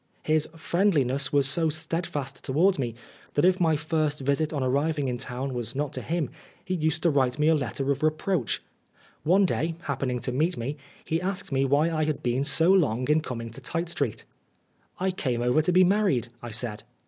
His friendliness was 1 02 Oscar Wilde so steadfast towards me, that if my first visit on arriving in town was not to him, he used to write me a letter of reproach. One day, happening to meet me, he asked me why I had been so long in coming to Tite Street. " I came over to be married," I said.